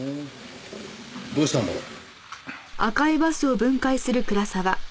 どうしたんだろう？